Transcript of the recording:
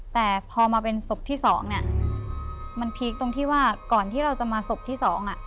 แต่พอมาเป็นศพที่สองเนี่ยมันพีคตรงที่ว่าก่อนที่เราจะมาศพที่สองอ่ะ